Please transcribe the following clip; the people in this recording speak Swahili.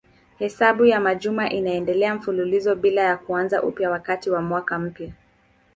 Hesabu ya majuma inaendelea mfululizo bila ya kuanza upya wakati wa mwaka mpya.